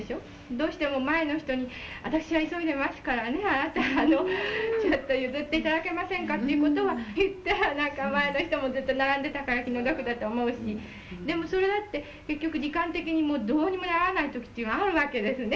どうしても前の人に、私は急いでますからね、あなた、ちょっと譲っていただけませんかということは言ったら、なんか前の人もずっと並んでたから気の毒だと思うし、でもそれだって、結局時間的にもどうにもならないときっていうのがあるわけですね。